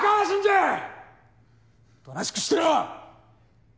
おとなしくしてろ！